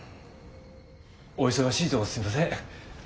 お忙しいとこすいません。